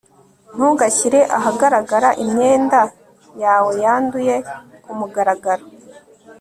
ntugashyire ahagaragara imyenda yawe yanduye kumugaragaro